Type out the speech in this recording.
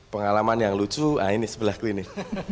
pengalaman yang lucu nah ini sebelah klinik